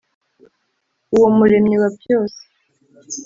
Uwo Muremyi wa byose